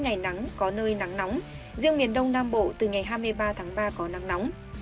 ngày nắng có nơi nắng nóng riêng miền đông nam bộ từ ngày hai mươi ba tháng ba có nắng nóng